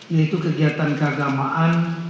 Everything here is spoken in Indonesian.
yaitu kegiatan keagamaan